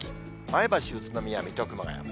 前橋、宇都宮、水戸、熊谷。